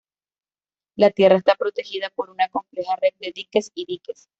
La tierra está protegida por una compleja red de diques y diques.